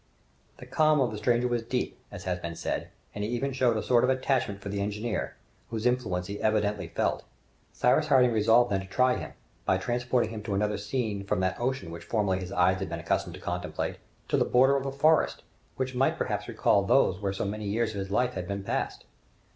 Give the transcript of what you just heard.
The calm of the stranger was deep, as has been said, and he even showed a sort of attachment for the engineer, whose influence he evidently felt. Cyrus Harding resolved then to try him, by transporting him to another scene, from that ocean which formerly his eyes had been accustomed to contemplate, to the border of the forest, which might perhaps recall those where so many years of his life had been passed!